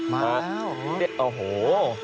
มาแล้ว